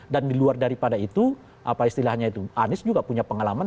dan di luar daripada itu apa istilahnya itu anis juga punya pengalaman